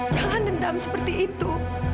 jangan dendam seperti itu